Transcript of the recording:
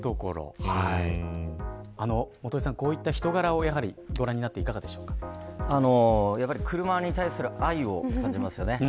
元榮さん、こういった人柄をご覧になっていかが車に対する愛を感じますよね。